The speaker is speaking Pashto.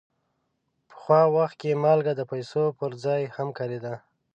پخوا وخت کې مالګه د پیسو پر ځای هم کارېده.